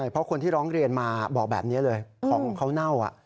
เพราะคนที่ร้องเรียนมาบอกแบบนี้เลยของเขาเน่า